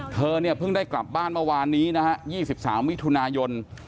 เธอเนี่ยเพิ่งได้กลับบ้านเมื่อวานนี้นะฮะ๒๓มิถุนายน